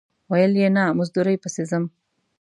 ویل یې نه مزدورۍ پسې ځم.